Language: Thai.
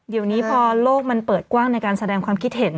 เดี๋ยวนี้พอโลกมันเปิดกว้างในการแสดงความคิดเห็น